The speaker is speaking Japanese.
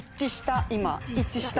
今一致した。